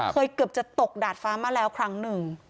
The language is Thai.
เกือบจะตกดาดฟ้ามาแล้วครั้งหนึ่ง